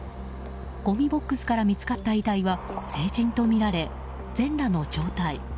ごみボックスから見つかった遺体は成人とみられ、全裸の状態。